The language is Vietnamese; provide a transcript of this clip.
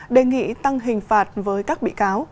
đề nghị tăng hình phạt với các bị cáo